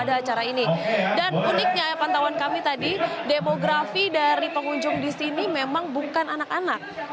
dan uniknya pantauan kami tadi demografi dari pengunjung di sini memang bukan anak anak